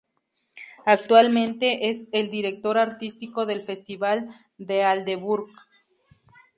Actualmente es el Director Artístico del Festival de Aldeburgh.